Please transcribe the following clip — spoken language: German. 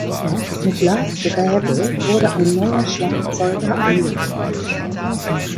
Mit Lars Graebe wurde ein neuer Schlagzeuger angeheuert.